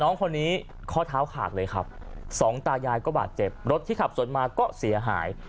น้องคนนี้ข้อเท้าขาดเลยครับสองตายายก็บาดเจ็บรถที่ขับสวนมาก็เสียหาย